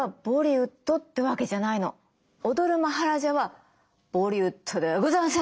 「踊るマハラジャ」はボリウッドではございません！